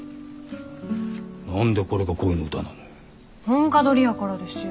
何でこれが恋の歌なのよ。